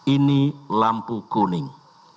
ini lampu kuning